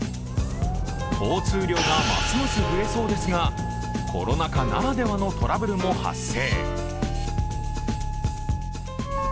交通量がますます増えそうですがコロナ禍ならではのトラブルも発生。